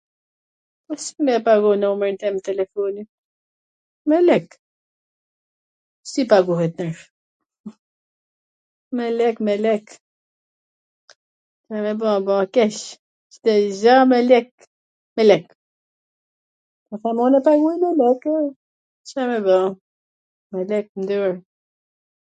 Si me e pagu numrin tem telefonit? Me lek, si paguhet nryshe, me lek, me lek, neve bam po a keq, ... Cdo gja me lek, me lek, .po pata mun ta paguaj .. Ca me ba...